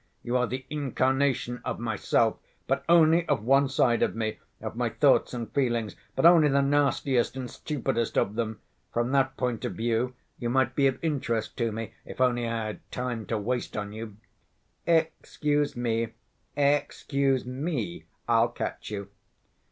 You are the incarnation of myself, but only of one side of me ... of my thoughts and feelings, but only the nastiest and stupidest of them. From that point of view you might be of interest to me, if only I had time to waste on you—" "Excuse me, excuse me, I'll catch you.